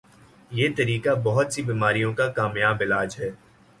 یہ طریقہ بہت سی بیماریوں کا کامیابعلاج ہے